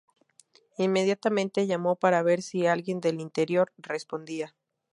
Inmediatamente llamó para ver si alguien del interior respondía.